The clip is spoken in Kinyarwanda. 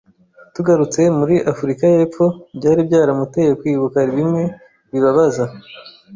Tugarutse muri Afurika y'Epfo byari byaramuteye kwibuka bimwe bibabaza.